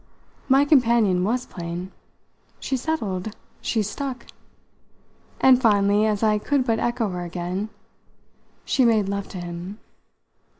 My companion was plain. "She settled. She stuck." And finally, as I could but echo her again: "She made love to him."